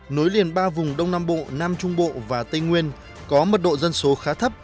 nối liền ba vùng đông nam bộ nam trung bộ và tây nguyên có mật độ dân số khá thấp